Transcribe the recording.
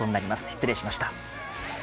失礼しました。